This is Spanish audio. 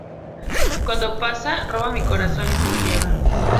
Cuando pasa roba mi corazón y se lo lleva.